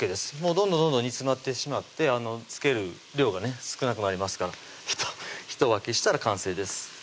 どんどんどんどん煮詰まってしまってつける量がね少なくなりますからひと沸きしたら完成です